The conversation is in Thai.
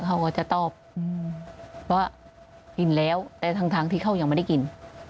เขาก็จะตอบว่ากินแล้วแต่ทั้งที่เขายังไม่ได้กิน